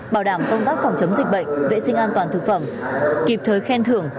bảo đảm công tác phòng chống dịch bệnh vệ sinh an toàn thực phẩm kịp thời khen thưởng